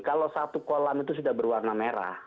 kalau satu kolam itu sudah berwarna merah